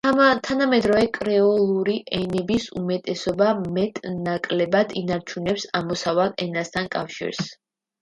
თანამედროვე კრეოლური ენების უმეტესობა მეტ-ნაკლებად ინარჩუნებს ამოსავალ ენასთან კავშირს.